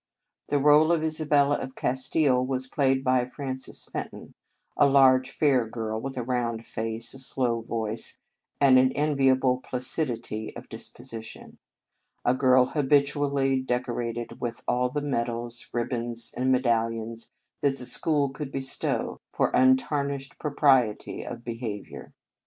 The role of Isabella of Castile was played by Frances Fenton, a large, fair girl, with a round face, a slow voice, and an enviable placidity of dis position; a girl habitually decorated with all the medals, ribbons, and me dallions that the school could bestow for untarnished propriety of beha viour.